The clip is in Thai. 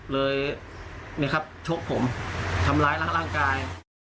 เลยครับชกผมทำร้ายร่างกาย